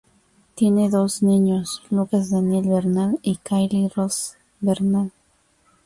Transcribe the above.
Tienen dos niños, Lucas Daniel Bernal y Kylie Rose Bernal.